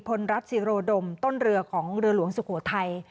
พลรัฐศิโรดมต้นเรือของเรือหลวงสุโขทัย